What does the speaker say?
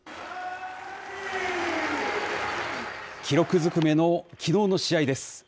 記録ずくめのきのうの試合です。